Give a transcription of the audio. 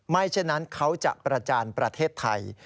เช่นนั้นเขาจะประจานประเทศไทย